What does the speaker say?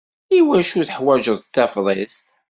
I wacu i teḥwaǧeḍ Tafḍist?